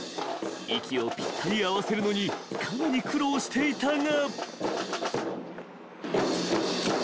［息をぴったり合わせるのにかなり苦労していたが］